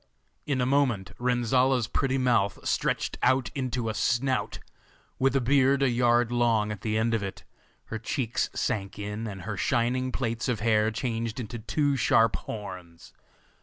In a moment Renzolla's pretty mouth stretched out into a snout, with a beard a yard long at the end of it, her cheeks sank in, and her shining plaits of hair changed into two sharp horns.